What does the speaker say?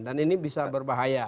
dan ini bisa berbahaya